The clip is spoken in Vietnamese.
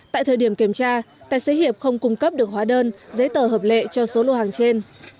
tại thời điểm kiểm tra tài xế hiệp không cung cấp được hóa đơn giấy tờ hợp lệ cho số lô hàng trên